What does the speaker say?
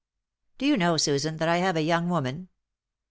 "Do you know, Susan, that I have a young woman?"